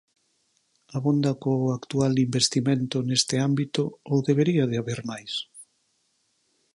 Abonda co actual investimento neste ámbito ou debería de haber máis?